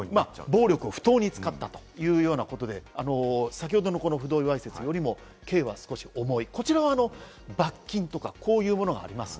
暴力を不当に使ったということで先ほどの不同意わいせつよりも刑は少し重い、こちらは罰金とかこういうものがあります。